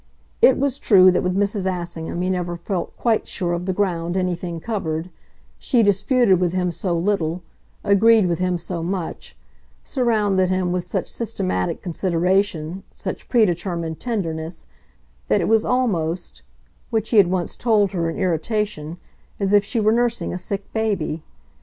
It was true that with Mrs. Assingham he never felt quite sure of the ground anything covered; she disputed with him so little, agreed with him so much, surrounded him with such systematic consideration, such predetermined tenderness, that it was almost which he had once told her in irritation as if she were nursing a sick baby.